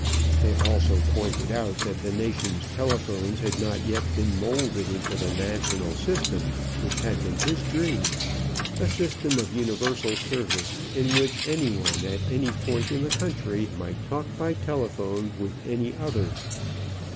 They also pointed out that the nation's telephones had not yet been molded into the national system which had been his dream a system of universal service in which any one at any point in the country might talk by telephone with any other.